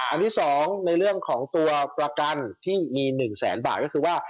อันที่๒ในเรื่องของตัวประกันที่มี๑แสนบาทก็คือว่า